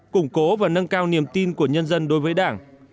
củng cố và nâng cao niềm tin của nhân dân đối với đảng